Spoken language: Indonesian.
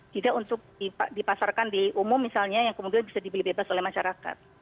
tidak untuk dipasarkan di umum misalnya yang kemudian bisa dibeli bebas oleh masyarakat